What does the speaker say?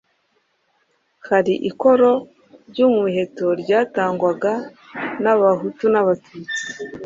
Hari ikoro ry'umuheto ryatangwaga n'Abahutu n'Abatutsi.